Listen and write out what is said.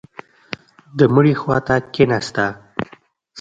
د مړي خوا ته کښېناسته.